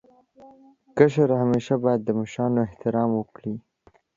کشر همېشه باید د مشرانو احترام وکړي.